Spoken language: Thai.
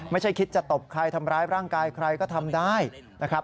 คิดจะตบใครทำร้ายร่างกายใครก็ทำได้นะครับ